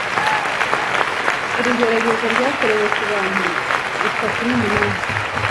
Buri gerageza rwakorewe ku bantu itatu numinani